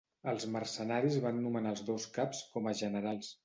Els mercenaris van nomenar als dos caps com a generals.